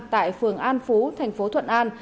tại phường an phú thành phố thuận an